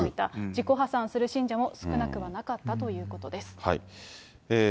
自己破産する信者も少なくはなかったということです。